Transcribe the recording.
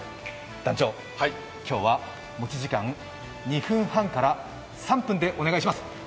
団長、今日は持ち時間２分半から３分でお願いします。